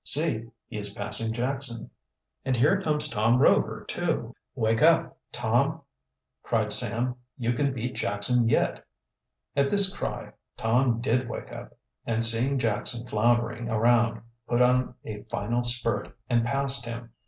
See, he is passing Jackson!" "And here comes Tom Rover, too." "Wake up, Tom!" cried Sam. "You can beat Jackson yet!" At this cry Tom did wake up, and seeing Jackson floundering around put on a final spurt and passed him.